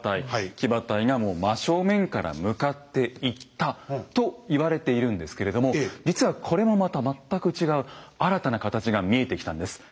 騎馬隊がもう真正面から向かっていったと言われているんですけれども実はこれもまた全く違う新たな形が見えてきたんです。